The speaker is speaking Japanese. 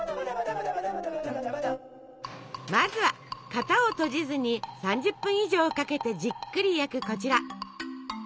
まずは型を閉じずに３０分以上かけてじっくり焼くこちら！